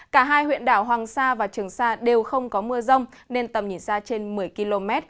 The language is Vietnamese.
cả hai huyện đảo hoàng sa và trường sa đều không có mưa rông nên tầm nhìn xa trên một mươi km